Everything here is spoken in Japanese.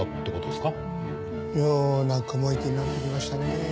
妙な雲行きになってきましたね。